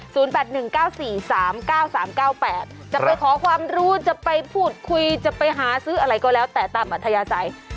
จะไปขอความรู้จะไปพูดคุยจะไปหาซื้ออะไรก็แล้วแต่ตามอัธยาศัย